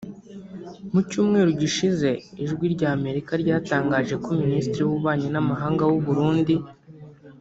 Mu Cyumweru gishize Ijwi ry’Amerika ryatangaje ko Minisitiri w’Ububanyi n’Amahanga w’u Burundi